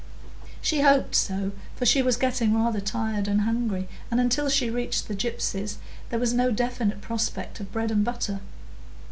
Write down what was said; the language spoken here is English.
She hoped so, for she was getting rather tired and hungry, and until she reached the gypsies there was no definite prospect of bread and butter.